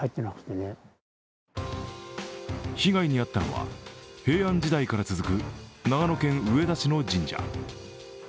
被害に遭ったのは平安時代から続く長野県上田市の神社。